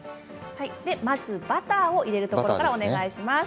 まずバターを入れるところからお願いします。